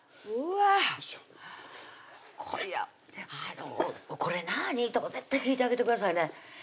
うわっあの「これなぁに？」とか絶対聞いてあげてくださいね